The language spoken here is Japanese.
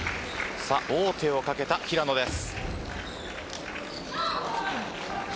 王手をかけた平野です。